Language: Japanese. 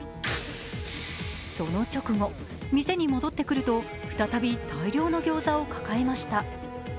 その直後、店に戻ってくると再び大量のギョーザを抱えました。